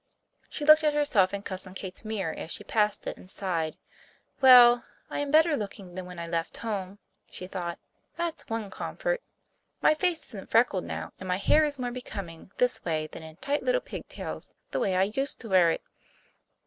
She looked at herself in Cousin Kate's mirror as she passed it, and sighed. "Well, I am better looking than when I left home," she thought. "That's one comfort. My face isn't freckled now, and my hair is more becoming this way than in tight little pigtails, the way I used to wear it."